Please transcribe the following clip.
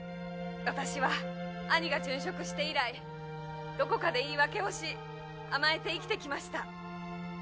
私は兄が殉職して以来どこかで言い訳をし甘えて生きてきました